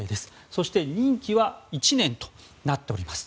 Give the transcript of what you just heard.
そして任期は１年となっています。